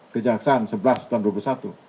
kejaksaan sebelas tahun dua ribu dua puluh satu